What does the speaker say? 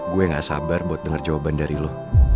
gue gak sabar buat dengar jawaban dari lo